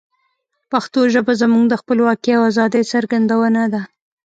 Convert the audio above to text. پښتو ژبه زموږ د خپلواکۍ او آزادی څرګندونه ده.